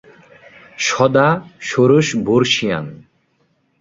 সদা ষোড়শবর্ষীয়াং।